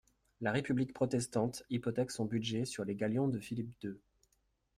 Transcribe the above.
La république protestante hypothèque son budget sur les galions de Philippe deux.